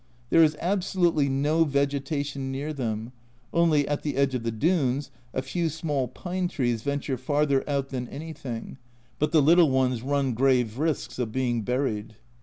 There is absolutely no vegetation near them, only, at the edge of the dunes, a few small pine trees venture farther out than anything, but the little ones run grave risks of being buried.